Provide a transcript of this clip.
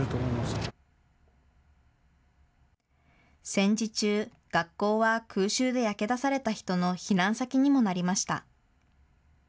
戦時中、学校は空襲で焼け出された人の避難先にもなりました。